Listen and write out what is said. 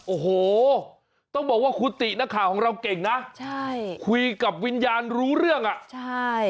โอ้โหต้องบอกว่าคุณตินักข่าวของเราเก่งนะใช่คุยกับวิญญาณรู้เรื่องอ่ะใช่